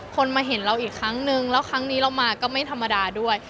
คนมาเห็นเราอีกครั้งนึงแล้วครั้งนี้เรามาก็ไม่ธรรมดาด้วย